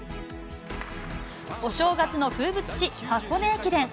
お正月の風物詩、箱根駅伝。